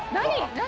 何？